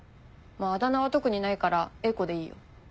あだ名は特にないから英子でいいよ。